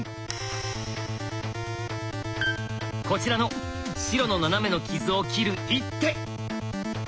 こちらの白のナナメの傷を切る一手。